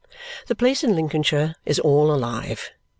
The place in Lincolnshire is all alive.